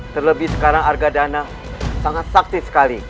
terlebih sekarang arkadana sangat saktif sekali